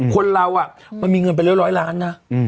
คนเรามีเงินไปร้อยร้อยล้านนะ